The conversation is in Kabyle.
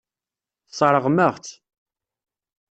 Tesseṛɣem-aɣ-tt.